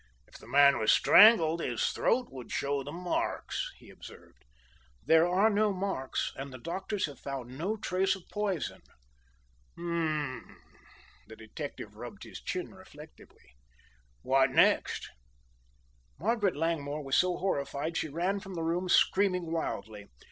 "If the man was strangled his throat should show the marks," he observed. "There are no marks, and the doctors have found no trace of poison." "Humph!" The detective rubbed his chin reflectively. "What next?" "Margaret Langmore was so horrified she ran from the room screaming wildly.